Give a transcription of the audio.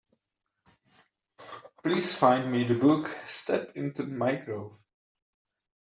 Please find me the book Step Into My Groove.